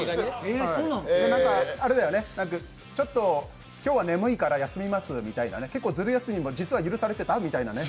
あれだよね、今日は眠いから休みますみたいな結構ズル休みも実は許されてたみたいなね。